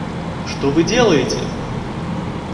Что Вы делаете?